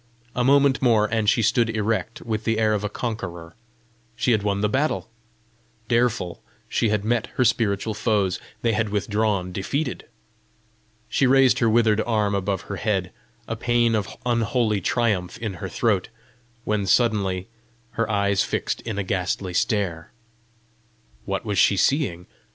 A moment more, and she stood erect, with the air of a conqueror: she had won the battle! Dareful she had met her spiritual foes; they had withdrawn defeated! She raised her withered arm above her head, a pæan of unholy triumph in her throat when suddenly her eyes fixed in a ghastly stare. What was she seeing?